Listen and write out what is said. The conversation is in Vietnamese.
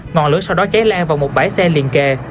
ngọn lửa sau đó cháy lan vào một bãi xe liền kề